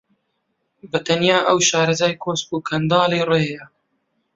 بە تەنیا ئەوە شارەزای کۆسپ و کەنداڵی ڕێیە